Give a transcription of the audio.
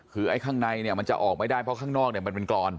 คือไอ้ข้างในมันจะออกไม่ได้เพราะข้างนอกมันเป็นกรอน